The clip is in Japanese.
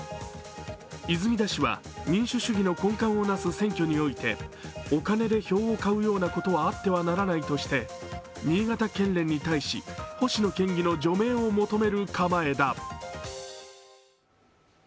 泉田氏は民主主義の根幹をなす選挙においてお金で票を買うようなことはあってはならないとして新潟県連に対し星野県議の除名を求める考えだ。